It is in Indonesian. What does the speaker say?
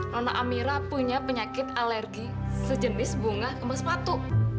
nona amira punya penyakit alergi sejenis bunga kemas patu